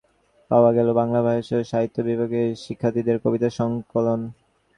বিশ্ববিদ্যালয়ের অভ্যর্থনাকক্ষে পাওয়া গেল বাংলা ভাষা ও সাহিত্য বিভাগের শিক্ষার্থীদের কবিতা সংকলন।